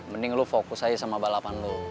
mending lu fokus aja sama balapan lu